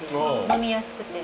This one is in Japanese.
飲みやすくて。